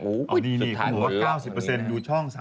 ๙๐อยู่ช่อง๓๒